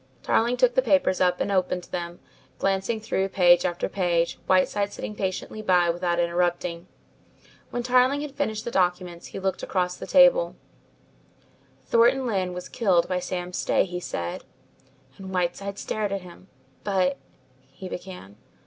Tarling took the papers up and opened them, glanced through page after page, Whiteside sitting patiently by without interrupting. When Tarling had finished the documents, he looked across the table. "Thornton Lyne was killed by Sam Stay," he said, and Whiteside stared at him. "But " he began.